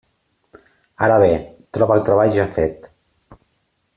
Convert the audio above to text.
Ara bé, troba el treball ja fet.